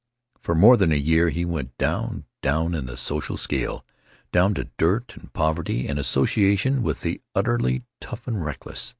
For more than a year he went down, down in the social scale, down to dirt and poverty and association with the utterly tough and reckless.